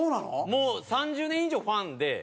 もう３０年以上ファンで。